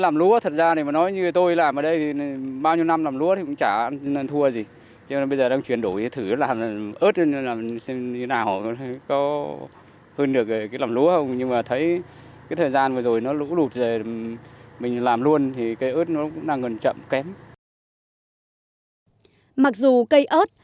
mặc dù cây ớt